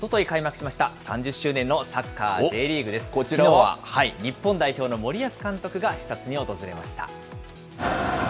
きのうは日本代表の森保監督が視察に訪れました。